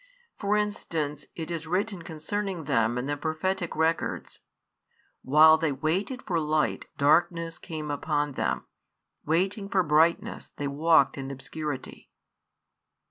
For instance, it is written concerning them in the prophetic records: While they waited for light darkness came upon them: waiting for brightness they walked in obscurity.